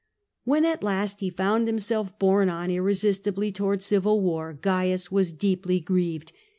When at last he found himself borne on irresistibly toward civil war, Oaius was deeply grieved.